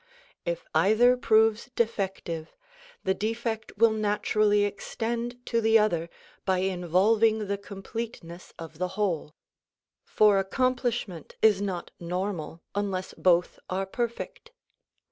If either proves defective, the defect will naturally extend to the other by involving the completeness of the whole ; for accomplishment is not normal unless both are perfect.